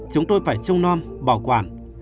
chúng tôi phải trung non bảo quản